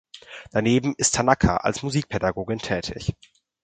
Daneben ist Tanaka als Musikpädagogin tätig.